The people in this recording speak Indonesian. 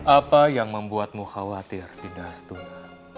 apa yang membuatmu khawatir dindas tuna